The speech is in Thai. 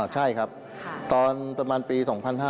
ใช่ครับประมาณปี๒๕๒๙